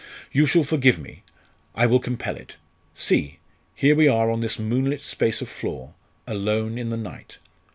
"You shall forgive me I will compel it! See! here we are on this moonlit space of floor, alone, in the night.